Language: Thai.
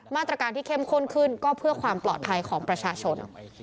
มาตรการที่เข้มข้นขึ้นก็เพื่อความปลอดภัยของประชาชน